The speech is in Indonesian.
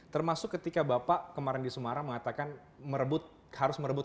termasuk ketika bapak kemarin di semarang mengatakan merebut harus merebut